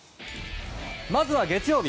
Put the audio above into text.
まずは月曜日